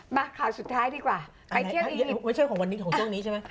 มาข่าวสุดท้ายดีกว่าไปเที่ยวไม่ใช่ของวันนี้ของช่วงนี้ใช่ไหม